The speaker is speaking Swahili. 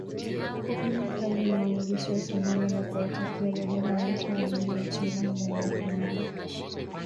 kufanya kazi na wanajeshi wa Somalia na kuwataka badala yake waingie nchini humo mara kwa mara